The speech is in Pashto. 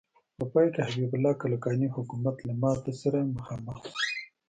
په پای کې حبیب الله کلکاني حکومت له ماتې سره مخامخ شو.